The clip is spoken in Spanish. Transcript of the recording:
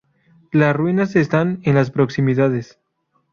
Las ruinas están en las proximidades.